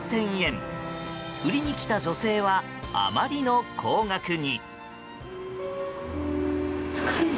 売りに来た女性はあまりの高額に。